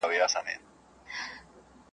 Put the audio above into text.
د ښځي چې له مېړه سره راستي وي، ژوند یې ښه وي .